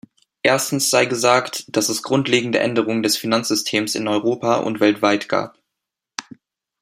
Erstens sei gesagt, dass es grundlegende Änderungen des Finanzsystems in Europa und weltweit gab.